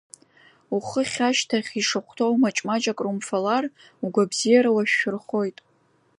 Ухыхь ашьҭахь ишахәҭоу маҷ-маҷ акрумфалар, угәабзиара уашәшәырхоит.